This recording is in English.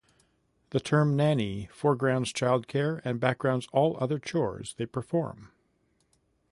The term nanny foregrounds childcare and backgrounds all other chores they perform.